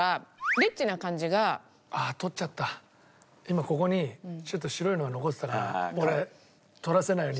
今ここにちょっと白いのが残ってたから俺取らせないように。